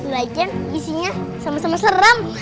lagi isinya sama sama serem